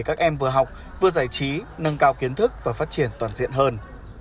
các em vừa học vừa giải trí nâng cao kiến thức và phát triển toàn diện hơn